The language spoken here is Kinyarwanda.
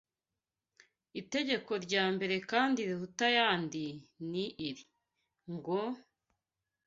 Itegeko rya mbere kandi riruta ayandi ni iri ngo: